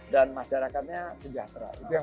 dan masyarakatnya sejahtera itu yang